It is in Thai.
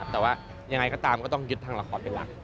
แต่ว่ายังไงก็ตามก็ต้องยึดทางละครเป็นหลัก